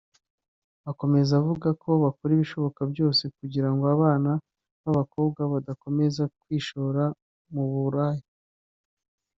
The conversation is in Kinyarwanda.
Akomeza avuga ko bakora ibishoboka byose kugira ngo abana b’abakobwa badakomeza kwishora mu buraya